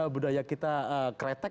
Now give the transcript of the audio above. budaya kita kretek